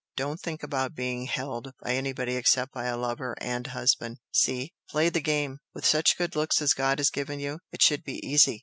Don't think about being 'held' by anybody except by a lover and husband! See? Play the game! With such looks as God has given you, it should be easy!